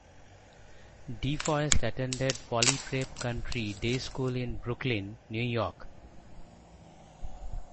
DeForest attended Poly Prep Country Day School in Brooklyn, New York.